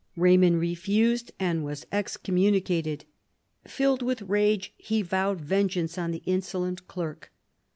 Eaymond refused and was excommunicated. Filled with rage he vowed vengeance on the insolent clerk.